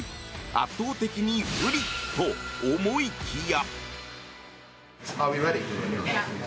圧倒的に不利と思いきや。